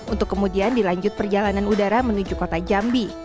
untuk kemudian dilanjut perjalanan udara menuju kota jambi